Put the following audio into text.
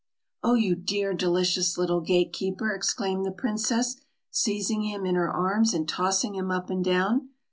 "Oh, you dear delicious little gate keeper!" exclaimed the princess, seizing him in her arms, and tossing him up and down.